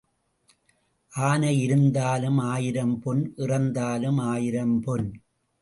ஆனை இருந்தாலும் ஆயிரம் பொன் இறந்தாலும் ஆயிரம் பொன்.